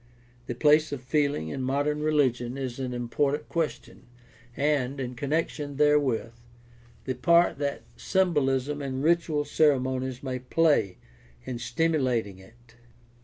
The place of feeling in modern religion is an important question, and, in connection therewith, the part that symbolism and ritual ceremonies may play in stimulating it.